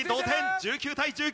１９対１９。